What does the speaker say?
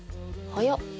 早っ。